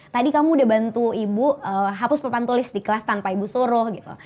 tadi kamu udah bantu ibu hapus papan tulis di kelas tanpa ibu suruh gitu